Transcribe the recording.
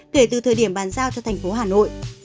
kể từ thời điểm bàn giao cho thành phố hà nội